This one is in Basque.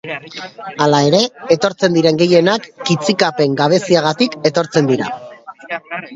Hala ere, etortzen diren gehienak kitzikapen gabeziagatik etortzen dira.